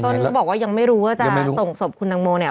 แต่วิทย์ต้นบอกว่ายังไม่รู้ว่าจะส่งสมคุณทางโมเนี่ย